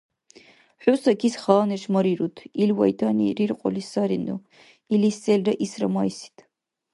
– ХӀу Сакис хала неш марируд. Ил вайтани риркьули сарину, илис селра исра майсид.